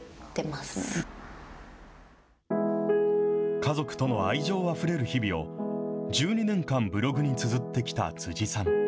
家族との愛情あふれる日々を、１２年間、ブログにつづってきた辻さん。